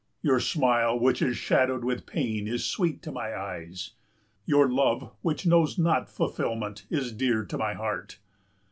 Your smile which is shadowed with pain is sweet to my eyes. Your love which knows not fulfilment is dear to my heart.